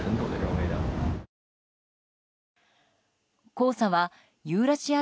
黄砂はユーラシア